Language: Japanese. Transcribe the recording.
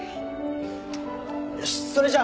よしそれじゃあ